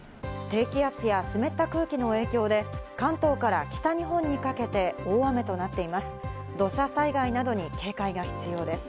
低気圧や湿った空気の影響で、関東から北日本にかけて大雨となっています。